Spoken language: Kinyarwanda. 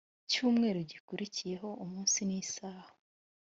cyumweru gikurikiyeho umunsi n isaha